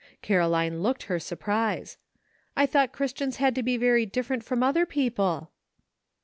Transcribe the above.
Caroline looked her surprise. " I thought Christians had to be very different from other people?"